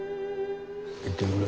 行ってくる。